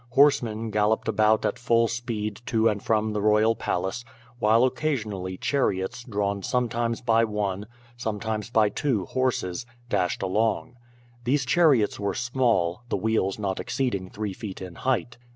Horsemen galloped about at full speed to and from the royal palace, while occasionally chariots, drawn sometimes by one, sometimes by two horses, dashed along. These chariots were small, the wheels not exceeding three feet in height.